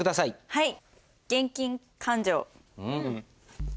はい。